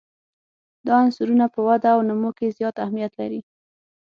دا عنصرونه په وده او نمو کې زیات اهمیت لري.